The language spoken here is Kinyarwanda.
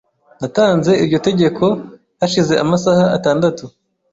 Natanze iryo tegeko hashize amasaha atandatu .